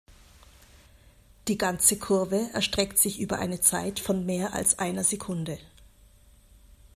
Die ganze Kurve erstreckt sich über eine Zeit von mehr als einer Sekunde.